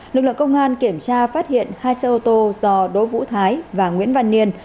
lực lượng công an kiểm tra phát hiện hai xe ô tô do đỗ vũ thái và nguyễn văn niên